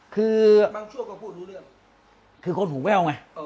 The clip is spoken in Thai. คือบางช่วงก็พูดรู้เรื่องคือคนหูแว่วไง